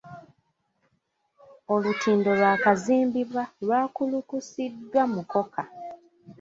Olutindo lwakazimbibwa lwakulukisiddwa mukokka.